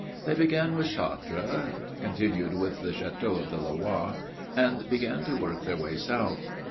They began with Chartres, continued with the Châteaux of the Loire, and began to work their way south.